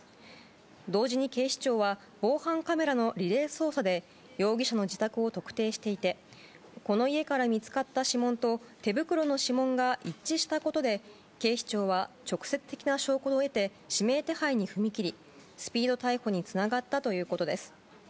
同時に警視庁は防犯カメラのリレー捜査で容疑者の自宅を特定していてこの家から見つかった指紋と手袋の指紋が一致したことで警視庁は、直接的な証拠を得て指名手配に踏み切りスピード逮捕につながったということです。